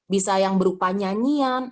bisa yang berupa nyanyian